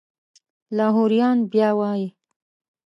لاهوریان بیا وایي.